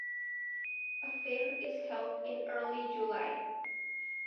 A fair is held in early July.